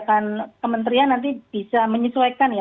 kebijakan kementerian nanti bisa menyesuaikan ya